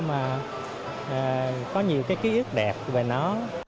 mà có nhiều cái ký ức đẹp về nó